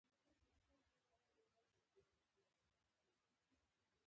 دا د لومړني وضعیت استعاره ده.